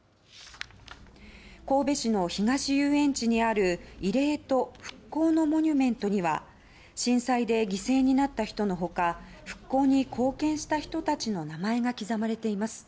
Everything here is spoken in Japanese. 神戸市の東遊園地にある慰霊と復興のモニュメントには震災で犠牲になった人の他復興に貢献した人たちの名前が刻まれています。